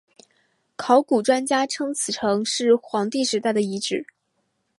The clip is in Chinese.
考古专家称此城是黄帝时代的遗址。